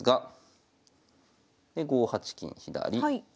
で５八金左。